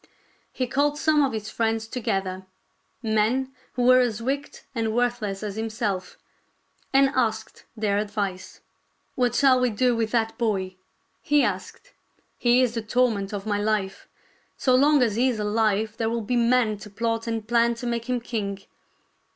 He called some of his friends together — men who were as wicked and worthless as himself — and asked their advice. " What shall we do with that boy ?" he asked. " He is the torment of my life. So long as he is alive there will be men to plot and plan to make him king.